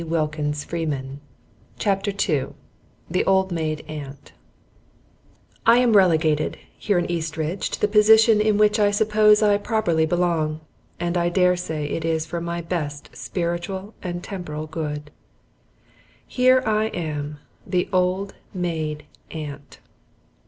Wilkins Freeman I am relegated here in Eastridge to the position in which I suppose I properly belong, and I dare say it is for my best spiritual and temporal good. Here I am the old maid aunt.